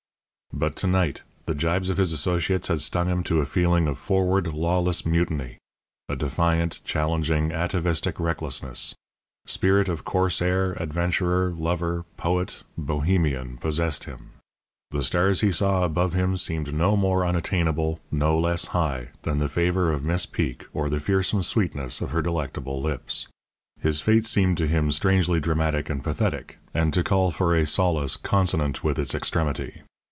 But to night the gibes of his associates had stung him to a feeling of forward, lawless mutiny; a defiant, challenging, atavistic recklessness. Spirit of corsair, adventurer, lover, poet, bohemian, possessed him. The stars he saw above him seemed no more unattainable, no less high, than the favour of Miss Peek or the fearsome sweetness of her delectable lips. His fate seemed to him strangely dramatic and pathetic, and to call for a solace consonant with its extremity.